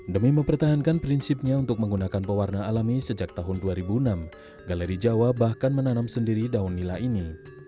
demi mempertahankan prinsipnya untuk menggunakan pewarna alami sejak tahun dua ribu enam galeri jawa bahkan menanam sendiri daun nila ini